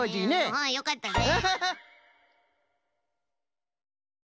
うんよかったね。